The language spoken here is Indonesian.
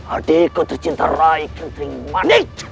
adikku tercinta raikintri manik